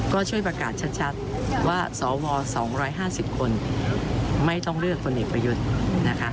ก็ช่วยประกาศชัดว่าสว๒๕๐คนไม่ต้องเลือกคนเอกประยุทธ์นะคะ